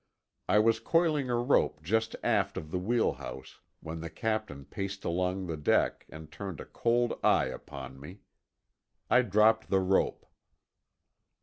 I was coiling a rope just aft of the wheel house, when the captain paced along the deck, and turned a cold eye upon me. I dropped the rope.